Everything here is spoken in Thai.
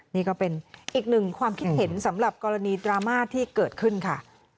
นี่ก็เป็นอีกหนึ่งความคิดเห็นสำหรับกรณีดราม่าที่เกิดขึ้นค่ะ